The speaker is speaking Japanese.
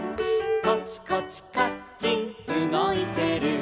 「コチコチカッチンうごいてる」